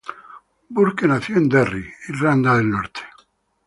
Burke nació en Derry, Irlanda del Norte.